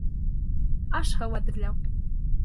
Аш-һыу әҙерләү